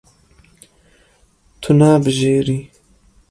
Tu nabijêrî.